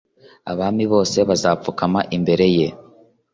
Abami bose bazapfukama imbere ye